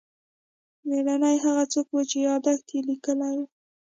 مېړنی هغه څوک و چې یادښت یې لیکلی و.